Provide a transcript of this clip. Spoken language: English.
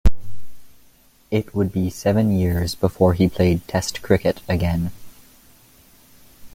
It would be seven years before he played Test cricket again.